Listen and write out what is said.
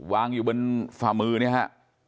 วางอยู่บนฝ่ามือเนี่ยฮะ